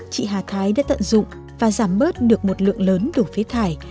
chị hà thái đã tận dụng và giảm bớt được một lượng lớn đổ phế thải